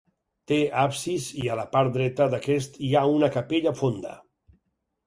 Té absis i a la part dreta d'aquest hi ha una capella fonda.